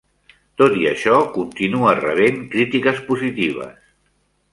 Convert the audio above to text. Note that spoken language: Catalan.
Tot i això, continua rebent crítiques positives.